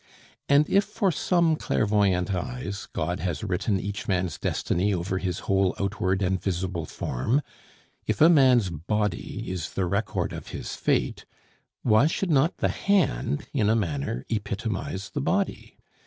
And if for some clairvoyant eyes God has written each man's destiny over his whole outward and visible form, if a man's body is the record of his fate, why should not the hand in a manner epitomize the body?